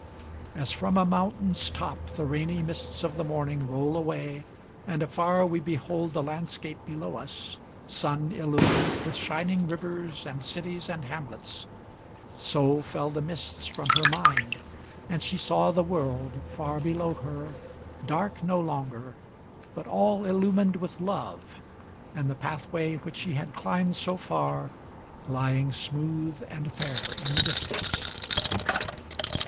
As from a mountain's top the rainy mists of the morning Roll away, and afar we behold the landscape below us, Sun illumined, with shining rivers and cities and hamlets, So fell the mists from her mind, and she saw the world far below her, Dark no longer, but all illumined with love; and the pathway Which she had climbed so far, lying smooth and fair in the distance.